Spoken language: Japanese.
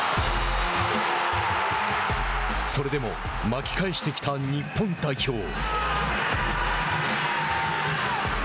それでも巻き返してきた日本代表。